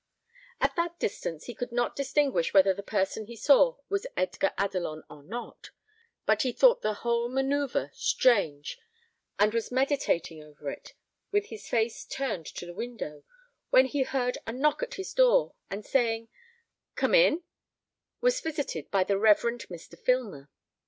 At that distance, he could not distinguish whether the person he saw was Edgar Adelon or not; but he thought the whole man[oe]uvre strange, and was meditating over it, with his face turned to the window, when he heard a knock at his door, and saying, "Come in," was visited by the Reverend Mr. Filmer.